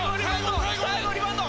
最後リバウンド！